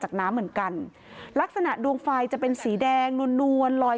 น้ำเหมือนกันลักษณะดวงไฟจะเป็นสีแดงนวลนวลลอย